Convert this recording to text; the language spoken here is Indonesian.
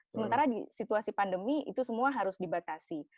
sementara di situasi pandemi itu semua harus dibatasi